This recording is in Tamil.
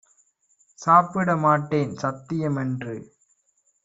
சாப்பிட மாட்டேன் சத்தியம் என்று!